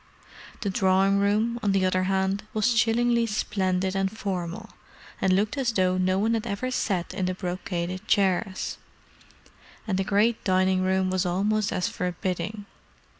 The drawing room, on the other hand, was chillingly splendid and formal, and looked as though no one had ever sat in the brocaded chairs: and the great dining room was almost as forbidding.